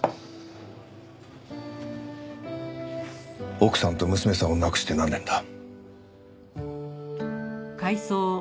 奥さんと娘さんを亡くして何年だ？